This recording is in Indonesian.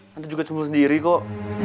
nanti juga cuma sendiri kok